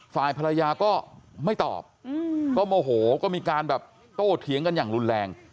ฝ่ายภรรยาก็ไม่ตอบก็โมโหก็มีการแบบโตเถียงกันอย่างรุนแรง